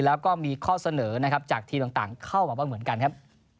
แล้วก็มีข้อเสนอนะครับจากทีมต่างเข้ามาบ้างเหมือนกันครับ